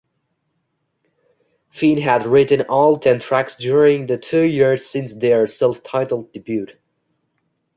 Finn had written all ten tracks during the two years since their self-titled debut.